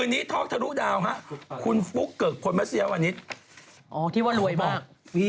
นะครับอ้าวบ๊วยบ๊วยบ๊วยบ๊วยบ๊วยบ๊วย